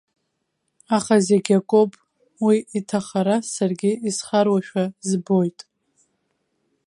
Аха, зегь акоуп, уи иҭахара саргьы исхароушәа збоит.